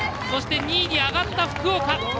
そして、２位に上がった福岡。